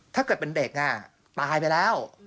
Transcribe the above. ถ้าเกิดเป็นเด็กตายไปแล้ว